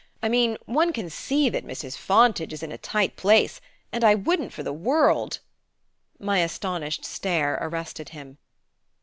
I mean one can see that Mrs. Fontage is in a tight place, and I wouldn't for the world " My astonished stare arrested him.